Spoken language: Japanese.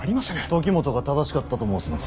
時元が正しかったと申すのか。